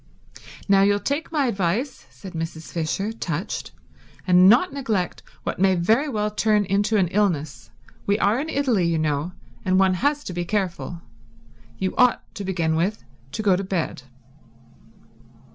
"Now you'll take my advice," said Mrs. Fisher, touched, "and not neglect what may very well turn into an illness. We are in Italy, you know, and one has to be careful. You ought, to begin with, to go to bed."